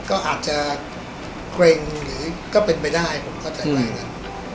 ก็อาจจะเกรงหรือก็เป็นไปได้ผมเข้าใจไปกัน